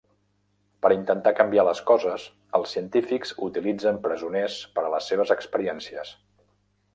Per intentar canviar les coses, els científics utilitzen presoners per a les seves experiències.